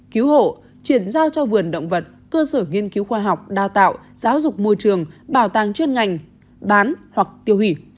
cứu hộ chuyển giao cho vườn động vật cơ sở nghiên cứu khoa học đào tạo giáo dục môi trường bảo tàng chuyên ngành bán hoặc tiêu hủy